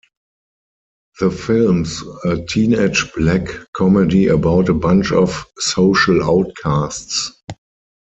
The film's a teenage black comedy about a bunch of social outcasts.